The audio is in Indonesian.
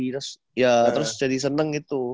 terus ya terus jadi seneng gitu